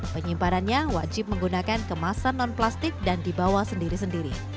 penyimpanannya wajib menggunakan kemasan non plastik dan dibawa sendiri sendiri